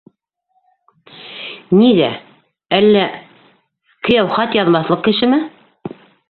- Нигә. әллә... кейәү хат яҙмаҫлыҡ кешеме?